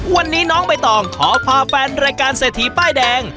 วันนี้น้องใบตองขอพาแฟนรายการเศรษฐีป้ายแดง